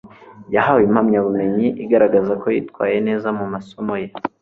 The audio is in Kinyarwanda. yahawe impamyabumenyi igaragaza ko yitwaye neza mu masomo ye.